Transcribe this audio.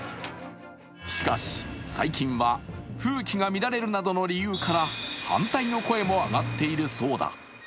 しかし、最近は風紀が乱れるなどの理由から反対の声も上がっているそうだ。